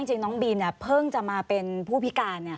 จริงน้องบีมเพิ่งจะมาเป็นผู้พิการ